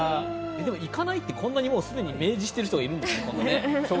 でも行かないってすでにこんなに明示してる人がいるんですね。